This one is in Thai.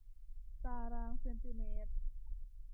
ตารางเซนติเมตร